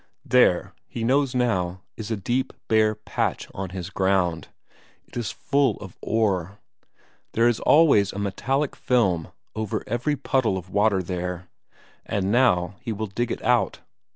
There, he knows now, is a deep, bare patch on his ground; it is full of ore; there is always a metallic film over every puddle of water there and now he will dig it out.